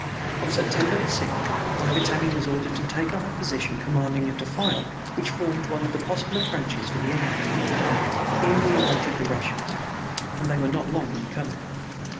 On September sixth my battalion was ordered to take up a position commanding a defile which formed one of the possible approaches for the enemy. Here we awaited the Russians, and they were not long in coming.